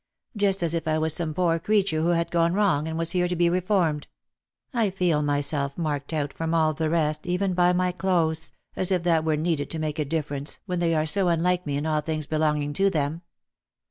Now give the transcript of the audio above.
Just as if I was some poor creature who had gone wrong, and was here to be reformed. I feel myself marked out from all the rest even by my clothes — as if that were needed to make a difference, when they are so unlike me in all things belonging to them.